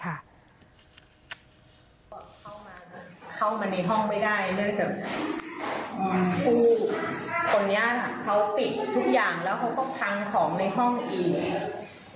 เข้ามาเข้ามาในห้องไม่ได้เนื่องจากผู้คนนี้เขาปิดทุกอย่างแล้วเขาก็พังของในห้องอีก